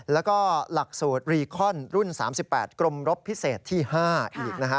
แล้วก็หลักสูตรรีคอนรุ่น๓๘กรมรบพิเศษที่๕อีกนะฮะ